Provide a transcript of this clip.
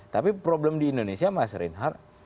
tapi problem di indonesia mas reinhardt